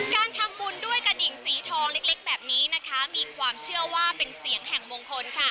การทำบุญด้วยกระดิ่งสีทองเล็กแบบนี้นะคะมีความเชื่อว่าเป็นเสียงแห่งมงคลค่ะ